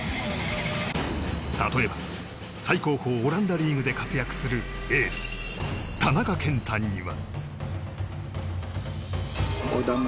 例えば最高峰オランダリーグで活躍するエース、田中健太には。